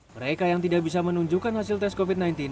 mereka yang tidak bisa menunjukkan hasil tes covid sembilan belas